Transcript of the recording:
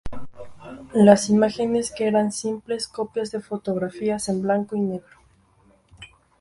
Las imágenes que eran simples copias de fotografías en blanco y negro.